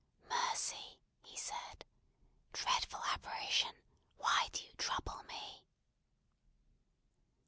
"Mercy!" he said. "Dreadful apparition, why do you trouble me?"